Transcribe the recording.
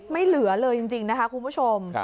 ไม่เหลือเลยจริงนะคะคุณผู้ชม